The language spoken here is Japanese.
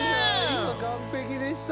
「今、完璧でした！」